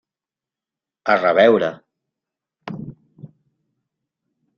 A reveure!